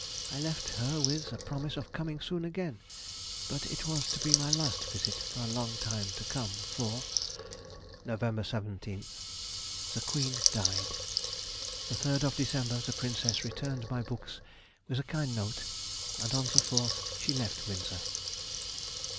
I left her with a promise of coming soon again, but it was to be my last visit for a long time to come, for.... Nov. 17th.—The Queen died. The 3rd of December the Princess returned my books with a kind note, and on the 4th she left Windsor.